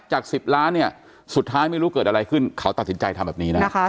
จาก๑๐ล้านเนี่ยสุดท้ายไม่รู้เกิดอะไรขึ้นเขาตัดสินใจทำแบบนี้นะ